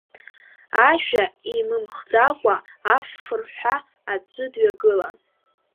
Ажәа имымхӡакәа, афырҳәа, аӡәы дҩагылан…